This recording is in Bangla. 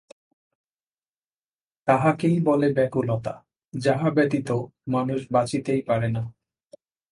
তাহাকেই বলে ব্যাকুলতা, যাহা ব্যতীত মানুষ বাঁচিতেই পারে না।